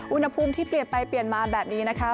อุณหภูมิที่เปลี่ยนไปเปลี่ยนมาแบบนี้นะคะ